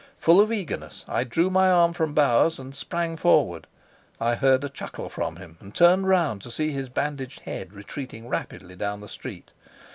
Full of eagerness, I drew my arm from Bauer's and sprang forward. I heard a chuckle from him and turned round, to see his bandaged head retreating rapidly down the street.